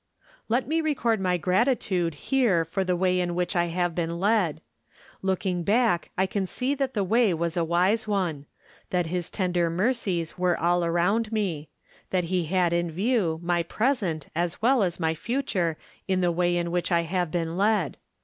Let me record my gratitude here for the way in which I ha.ve been led. Looking back I can see that the way was a wise one ; that his tender mercies were all around me ; that he had in view my present as well as my future in the way in which I have been led.